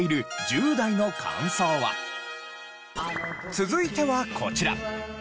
続いてはこちら。